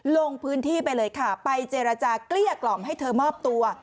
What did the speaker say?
ลงพื้นที่ไปเลยค่ะไปเจรจาเกลี้ยกล่อมให้เธอมอบตัว